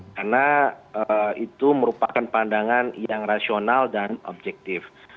karena itu merupakan pandangan yang rasional dan objektif